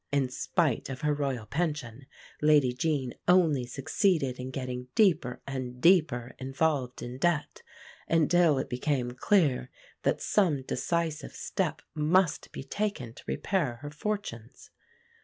In spite of her Royal pension Lady Jean only succeeded in getting deeper and deeper involved in debt, until it became clear that some decisive step must be taken to repair her fortunes.